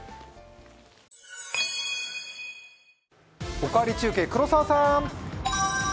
「おかわり中継」黒澤さん。